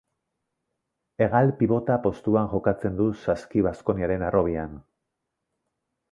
Hegal-pibota postuan jokatzen du Saski Baskoniaren harrobian.